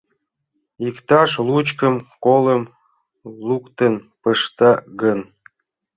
Иктаж лучкым-колым луктын пышта гын?